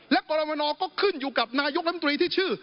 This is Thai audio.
และกรมนก็ขึ้นอยู่กับนายกลำตรีที่ชื่อ